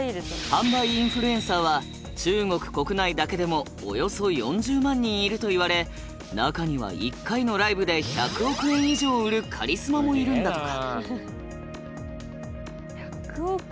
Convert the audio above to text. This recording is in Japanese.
販売インフルエンサーは中国国内だけでもおよそ４０万人いるといわれ中には１回のライブで１００億円以上売るカリスマもいるんだとか。